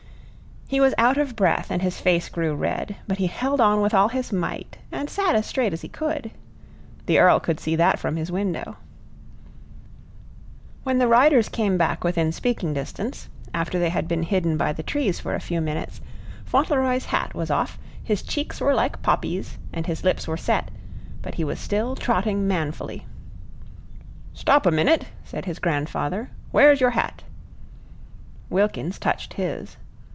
He was out of breath and his face grew red, but he held on with all his might, and sat as straight as he could. The Earl could see that from his window. When the riders came back within speaking distance, after they had been hidden by the trees a few minutes, Fauntleroy's hat was off, his cheeks were like poppies, and his lips were set, but he was still trotting manfully. "Stop a minute!" said his grandfather. "Where's your hat?" Wilkins touched his.